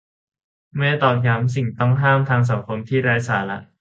ไม่ตอกย้ำ สิ่งต้องห้ามทางสังคมที่ไร้สาระ